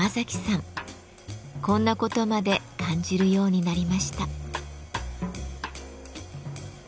こんなことまで感じるようになりました。